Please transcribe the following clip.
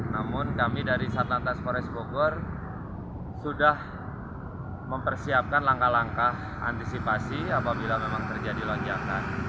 namun kami dari satlantas forest bogor sudah mempersiapkan langkah langkah antisipasi apabila memang terjadi lonjakan